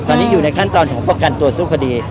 ตอนนี้อยู่ในขั้นตอนของประกันตัวสู้คดี